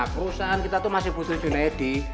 perusahaan kita itu masih butuh junaidi